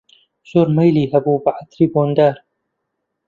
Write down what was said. زۆر مەیلی هەبوو بە عەتری بۆندار